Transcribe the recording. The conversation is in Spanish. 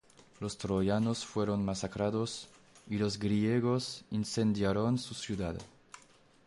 Los troyanos fueron masacrados, y los griegos incendiaron su ciudad.